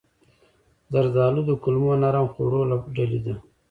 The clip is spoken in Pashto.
زردالو د کولمو نرم خوړو له ډلې ده.